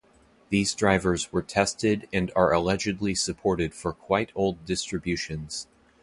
These drivers were tested and are allegedly supported for quite old distributions.